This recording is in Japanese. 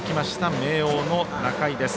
明桜の中井です。